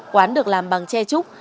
quán được làm bằng che trúc